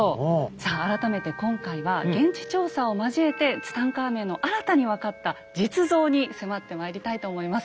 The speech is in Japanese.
さあ改めて今回は現地調査を交えてツタンカーメンの新たに分かった実像に迫ってまいりたいと思います。